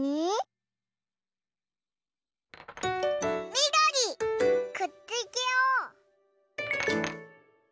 みどりくっつけよう！